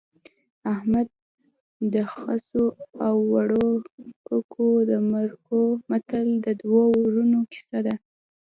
احمد د خسو د اوړو ککو د مرکو متل د دوو ورونو کیسه ده